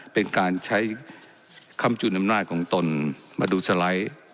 เป็นการใช้คำจุนอำนาจของตนมาดูสไลด์